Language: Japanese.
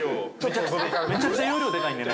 ◆めちゃくちゃ容量でかいんでね。